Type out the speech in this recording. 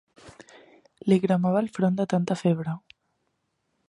Li cremava el front de tanta febre.